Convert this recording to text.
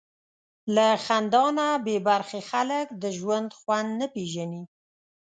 له خندا نه بېبرخې خلک د ژوند خوند نه پېژني.